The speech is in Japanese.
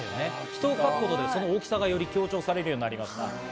人を描くとその大きさがより強調されるようになります。